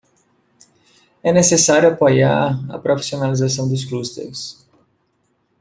É necessário apoiar a profissionalização dos clusters.